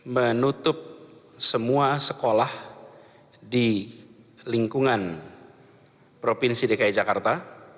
menutup semua sekolah di lingkungan provinsi dki jakarta